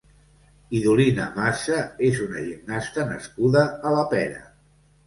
Idolina Massa és una gimnasta nascuda a la Pera.